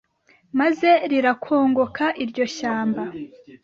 maze rirakongoka iryo shyamba